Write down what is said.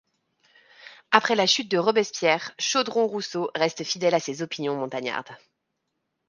Après la chute de Robespierre, Chaudron-Rousseau reste fidèle à ses opinions montagnardes.